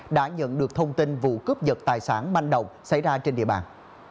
đã nhận được thông tin vụ cướp giật tài sản manh động xảy ra trên địa bàn